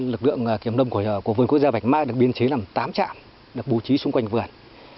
lực lượng kiểm đông của vnk được biên chế làm tám trạm được bố trí xung quanh vườn